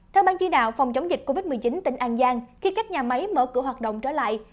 theo bang chỉ đạo phòng chống dịch covid một mươi chín tỉnh an giang khi các nhà máy mở cửa hoạt động trở lại